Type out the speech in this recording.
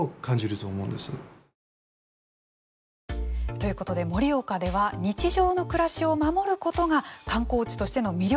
ということで盛岡では日常の暮らしを守ることが観光地としての魅力を高めていました。